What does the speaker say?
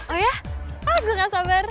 oh ya ah gue gak sabar